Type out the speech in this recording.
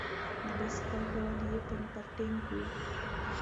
د بایسکل ډول یې پیني فارټېنګ و.